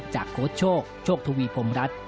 โค้ชโชคโชคทวีพรมรัฐ